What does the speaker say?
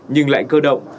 nhưng lại cơ động